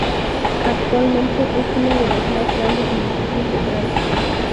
Actualmente es uno de los más grandes municipios de Francia.